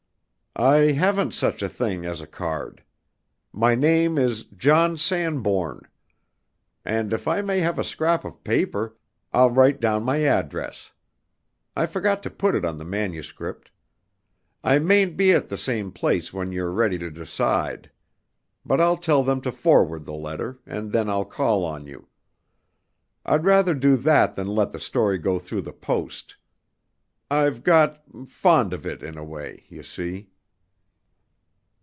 "I haven't such a thing as a card! My name is John Sanbourne. And if I may have a scrap of paper, I'll write down my address. I forgot to put it on the manuscript. I mayn't be at the same place when you're ready to decide. But I'll tell them to forward the letter, and then I'll call on you. I'd rather do that than let the story go through the post. I've got fond of it in a way you see!"